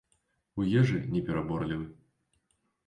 У ежы не пераборлівы.